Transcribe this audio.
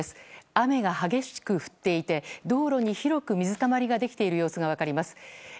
雨が激しく降っていて道路に広く水たまりができている様子が分かります。